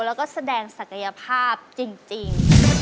แล้วก็แสดงศักยภาพจริง